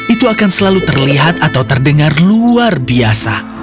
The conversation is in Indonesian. itu akan selalu terlihat atau terdengar luar biasa